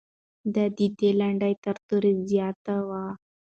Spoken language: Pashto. د دې لنډۍ تر تورې زیاتې وې.